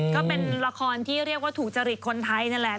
ก็เป็นละครที่เรียกว่าถูกจริตคนไทยนั่นแหละ